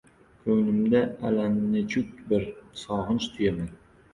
Ko‘nglimda allanechuk bir sog‘inch tuyaman.